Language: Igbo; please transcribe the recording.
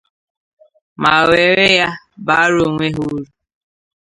ma were ya bàárá onwe ha úrù.